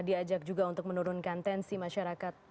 diajak juga untuk menurunkan tensi masyarakat